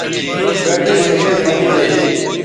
نُوٹ گٹے سو گید منیدے